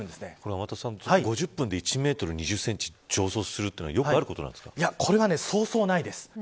天達さん、５０分で１メートル２０センチ上昇するのはこれは、そうそうないです。